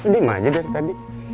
diam aja dari tadi